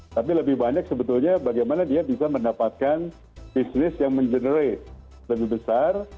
tapi lebih banyak sebetulnya bagaimana dia bisa mendapatkan bisnis yang mengenerate lebih besar